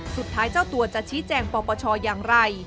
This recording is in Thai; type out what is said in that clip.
สุดท้ายเจ้าตัวจะชี้แจงปปชอย่างไร